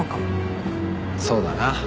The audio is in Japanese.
そうだな。